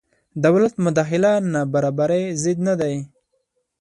دولت مداخله نابرابرۍ ضد نه دی.